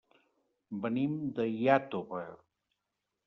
Venim de Iàtova.